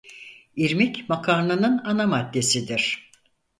İrmik makarnanın ana maddesidir.